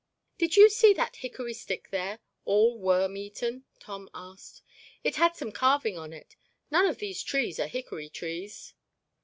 "Did you see that hickory stick there—all worm eaten?" Tom asked. "It had some carving on it. None of these trees are hickory trees."